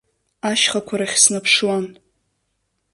Ашьхақәа рахь снаԥшуан.